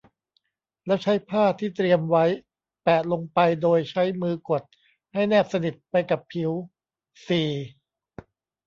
แล้วใช้ผ้าที่เตรียมไว้แปะลงไปโดยใช้มือกดให้แนบสนิทไปกับผิว สี่